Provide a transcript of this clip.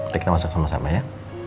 kita masak sama sama ya